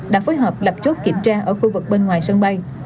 đã phối hợp lập chốt kiểm tra ở khu vực bên ngoài sân bay